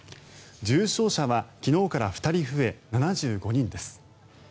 重症者は昨日から２人増え７５人です。